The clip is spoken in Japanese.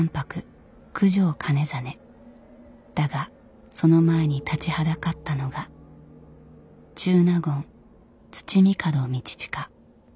だがその前に立ちはだかったのが中納言土御門通親。